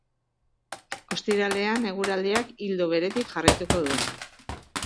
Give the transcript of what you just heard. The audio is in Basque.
Ostiralean eguraldiak ildo beretik jarraituko du.